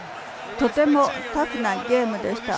とてもタフなゲームでした。